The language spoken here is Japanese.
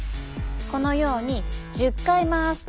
このように１０回回すと。